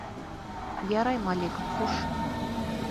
— Ярай, Малик, хуш!